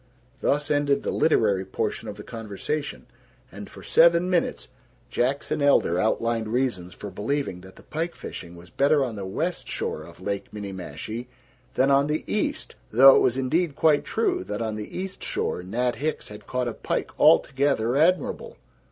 Thus ended the literary portion of the conversation, and for seven minutes Jackson Elder outlined reasons for believing that the pike fishing was better on the west shore of Lake Minniemashie than on the east though it was indeed quite true that on the east shore Nat Hicks had caught a pike altogether admirable.